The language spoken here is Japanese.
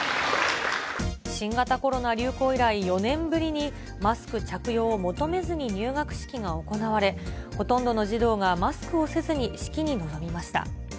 新型コロナ流行以来、４年ぶりにマスク着用を求めずに入学式が行われ、ほとんどの児童がマスクをせずに式に臨みました。